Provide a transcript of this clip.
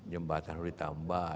jembatan harus ditambah